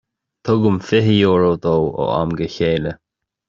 Tugaim fiche euro dó ó am go chéile.